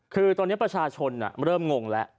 คือตอนนี้ประชาชนเริ่มงงแล้ว